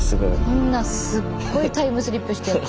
そんなすごいタイムスリップしちゃって。